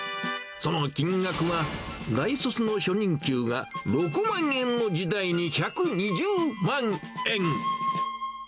その金額は、大卒の初任給が６万円の時代に、１２０万円。